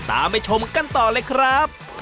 ไปชมกันต่อเลยครับ